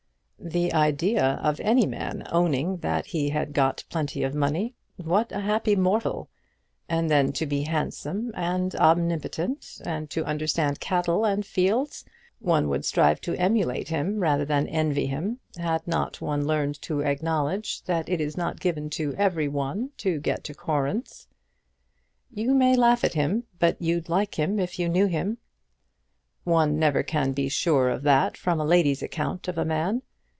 "The idea of any man owning that he had got plenty of money! What a happy mortal! And then to be handsome, and omnipotent, and to understand cattle and fields! One would strive to emulate him rather than envy him, had not one learned to acknowledge that it is not given to every one to get to Corinth." "You may laugh at him, but you'd like him if you knew him." "One never can be sure of that from a lady's account of a man.